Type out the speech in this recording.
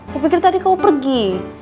gue pikir tadi kamu pergi